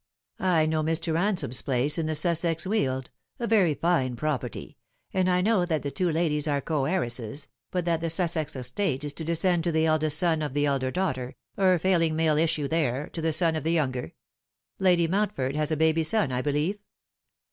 I know Mr. Ransome's place in the Sussex Weald a very fine property and I know that the two ladies are co heiresses, but that the Sussex estate is to descend to the eldest son of the elder daughter, or failing male issue there, to the son of the younger. Lady Mountford has a baby son, I believe?"